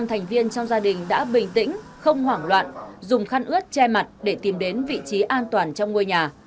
năm thành viên trong gia đình đã bình tĩnh không hoảng loạn dùng khăn ướt che mặt để tìm đến vị trí an toàn trong ngôi nhà